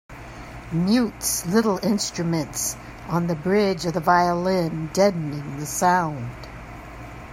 Mutes little instruments on the bridge of the violin, deadening the sound.